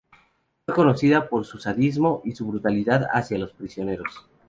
Fue conocida por su sadismo y brutalidad hacia los prisioneros.